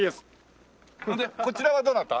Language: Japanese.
でこちらはどなた？